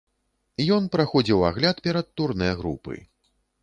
Ён праходзіў агляд перад турнэ групы.